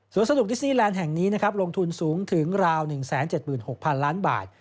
ส่วนสนุกดิซี่แลนด์แห่งนี้นะครับลงทุนสูงถึงราว๑๗๖๐๐๐ล้านบาท